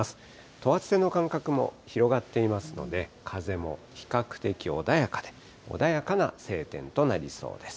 等圧線の間隔も広がっていますので、風も比較的穏やかで、穏やかな晴天となりそうです。